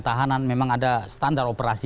tahanan memang ada standar operasi